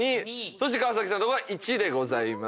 川崎さんとこが１でございます。